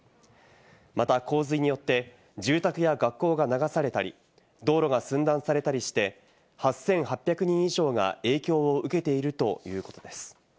また洪水によって住宅や学校が流されたり、道路が寸断されたりして、８８００人以上が影響を受けているということです。